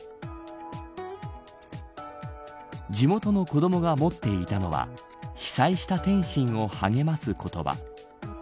地元の子どもが持っていたのは被災した天津を励ます言葉。